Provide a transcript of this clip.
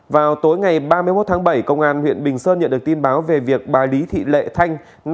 vào tối ngày ba mươi một tháng bảy công an huyện bình sơn nhận được tin báo về việc bà lý thị lệ thanh